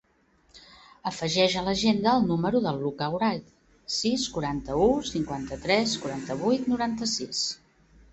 Afegeix a l'agenda el número del Lucca Wright: sis, quaranta-u, cinquanta-tres, quaranta-vuit, noranta-sis.